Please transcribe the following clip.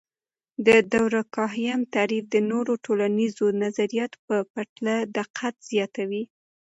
د دورکهايم تعریف د نورو ټولنیزو نظریاتو په پرتله دقت زیاتوي.